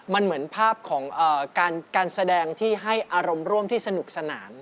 มันเหมือนภาพของการแสดงที่ให้อารมณ์ร่วมที่สนุกสนาน